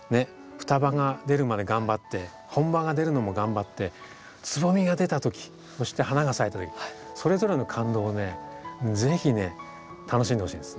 双葉が出るまで頑張って本葉が出るのも頑張ってつぼみが出た時そして花が咲いた時それぞれの感動をね是非ね楽しんでほしいんです。